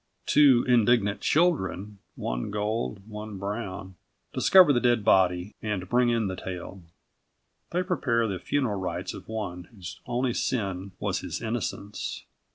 Two indignant children, one gold, one brown, discover the dead body and bring in the tale. They prepare the funeral rites of one whose only sin was his innocence.